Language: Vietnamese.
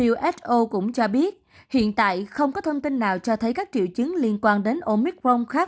uso cũng cho biết hiện tại không có thông tin nào cho thấy các triệu chứng liên quan đến omicron khác